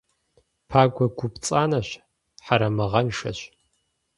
Пагуэ гу пцӏанэщ, хьэрэмыгъэншэщ.